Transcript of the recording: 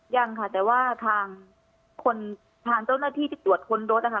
ยังค่ะแต่ว่าทางคนทางเจ้าหน้าที่ที่ตรวจค้นรถนะคะ